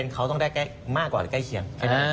เขาต้องได้มากกว่าหรือใกล้เคียง